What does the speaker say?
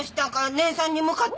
姉さんに向かって！